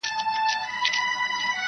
خپلو بچوړو ته په زرو سترګو زرو ژبو -